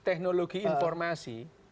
dan teknologi informasi